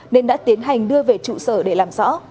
nên đã tiến hành đưa về trụ sở để làm rõ